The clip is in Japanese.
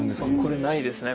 これないですね。